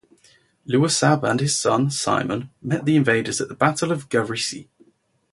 Luarsab and his son, Simon, met the invaders at the Battle of Garisi.